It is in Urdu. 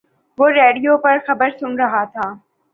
میں ریڈیو پر خبر سن رہا تھا